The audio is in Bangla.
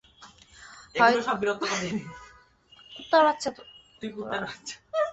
হয়তো সেগুলো অনুশীলন করে যেতে থাকলে পাওয়ার হিটিংয়ে আরও উন্নতি হবে।